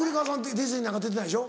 ディズニーなんか出てないでしょ。